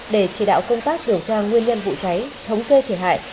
để chỉ đạo công tác điều tra nguyên nhân vụ cháy thống kê thiệt hại